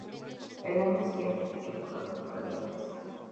El año siguiente fichó por la Cultural Leonesa.